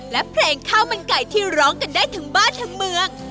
และเพลงข้าวมันไก่ที่ร้องกันได้ทั้งบ้านทั้งเมือง